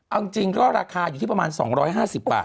เอาจริงก็ราคาอยู่ที่ประมาณ๒๕๐บาท